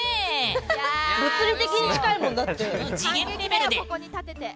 物理的に近いもんだって。